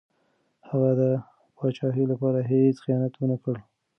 هغه د پاچاهۍ لپاره هېڅ خیانت ونه کړ.